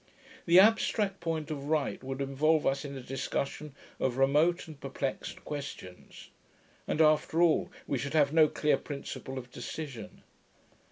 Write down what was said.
The abstract point of right would involve us in a discussion of remote and perplexed questions; and after all, we should have no clear principle of decision.